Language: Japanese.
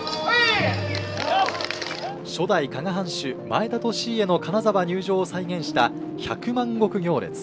初代加賀藩主、前田利家の金沢入城を再現した「百万石行列」。